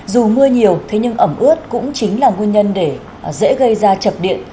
dù mưa nhiều thế nhưng ẩm ướt cũng chính là nguyên nhân để dễ gây ra chập điện